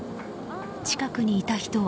近くにいた人は。